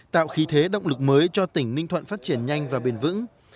tạo khí thế động lực mới cho tỉnh ninh thuận phát triển nhanh và bền vững